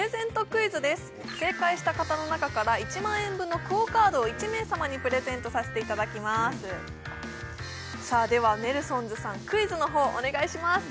クイズです正解した方の中から１万円分のＱＵＯカードを１名様にプレゼントさせていただきますではネルソンズさんクイズのほうお願いします